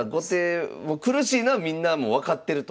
もう苦しいのはみんなもう分かってると。